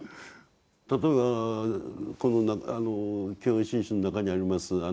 例えばこの「教行信証」の中にあります